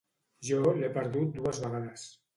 Jo l'he perdut dues vegades.